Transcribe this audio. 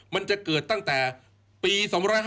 มันจะเกิดตั้งแต่ปี๒๕๕๙